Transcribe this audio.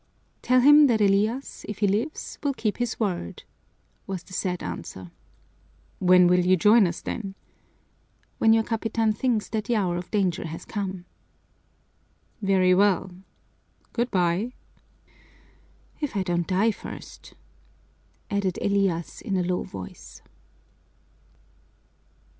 "Tell him that Elias, if he lives, will keep his word," was the sad answer. "When will you join us, then?" "When your capitan thinks that the hour of danger has come." "Very well. Good by!" "If I don't die first," added Elias in a low voice.